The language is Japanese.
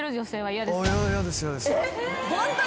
嫌ですよ。